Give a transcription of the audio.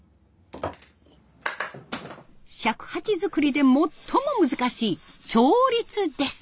尺八作りで最も難しい調律です。